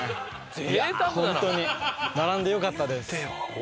いやあホントに並んでよかったです。